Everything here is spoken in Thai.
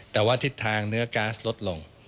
แต่ว่าทิศทางเนื้อก๊าซลดลง